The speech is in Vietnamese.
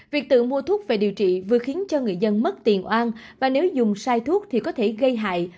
việc tự mua thuốc về điều trị vừa khiến cho người dân mất tiền oan và nếu dùng sai thuốc thì có thể gây hại